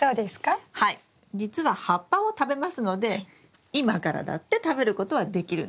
じつは葉っぱを食べますので今からだって食べることはできるんです。